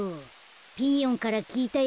ピーヨンからきいたよ